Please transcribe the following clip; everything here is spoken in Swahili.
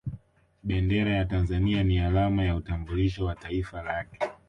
Bendera ya Tanzania ni alama ya utambulisho wa Taifa lake